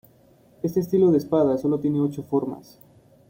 Este estilo de espada solo tiene ocho formas.